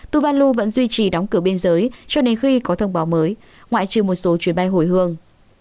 tù văn lưu vẫn duy trì đóng cửa biên giới cho đến khi có thông báo mới ngoại trừ một số chuyến bay hồi hương